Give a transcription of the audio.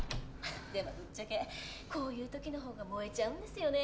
「でもぶっちゃけこういう時のほうが燃えちゃうんですよね